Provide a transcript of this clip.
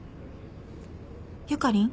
ゆかりん？